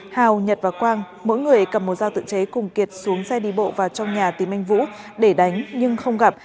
hào nhật và quang mỗi người cầm một dao tự chế cùng kiệt xuống xe đi bộ vào trong nhà tìm anh vũ để đánh nhưng không gặp